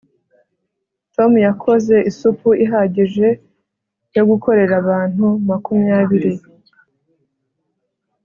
tom yakoze isupu ihagije yo gukorera abantu makumyabiri